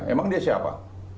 emang dia siapa